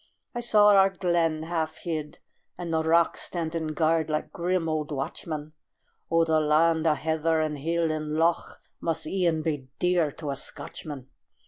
I saw our glen, half hid, and the rocks Standing guard like grim old watchmen. Oh, the land o' heather and hill and loch Must e'en be dear to a Scotchman.